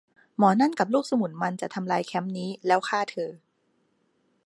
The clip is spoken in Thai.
หมอนั่นกับลูกสมุนมันจะทำลายแคมป์นี้ แล้วฆ่าเธอ